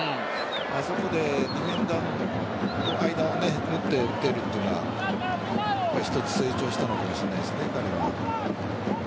あそこでディフェンダーの間を縫って打てるというのは一つ成長したのかもしれないですね彼は。